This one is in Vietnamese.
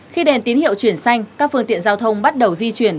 khi đèn tín hiệu chuyển xanh các phương tiện giao thông bắt đầu di chuyển